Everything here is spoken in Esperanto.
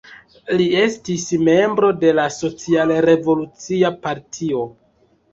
Li estis membro de la Social-Revolucia Partio.